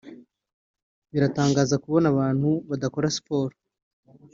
Biratangaza kubona abantu badakora siporo